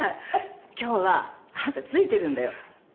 今日はあんたついてるんだよ。